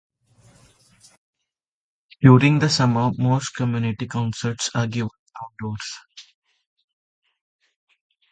During the summer, most community concerts are given outdoors.